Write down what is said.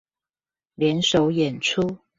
聯手演出